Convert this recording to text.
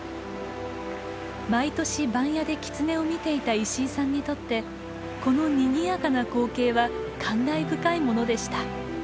毎年番屋でキツネを見ていた石井さんにとってこのにぎやかな光景は感慨深いものでした。